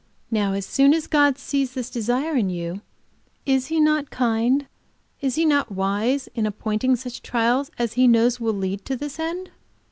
Now as soon as God sees this desire in you, is He not kind, is He not wise, in appointing such trials as He knows will lead to this end?"